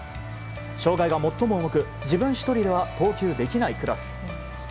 障害が最も重く、自分一人では投球できないクラス。